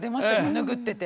拭ってて。